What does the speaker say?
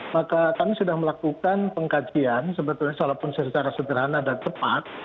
maka kami sudah melakukan pengkajian sebetulnya walaupun secara sederhana dan tepat